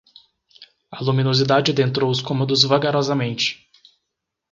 A luminosidade adentrou os cômodos vagarosamente